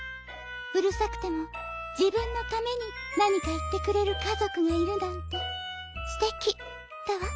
うるさくてもじぶんのためになにかいってくれるかぞくがいるなんてすてきだわ」。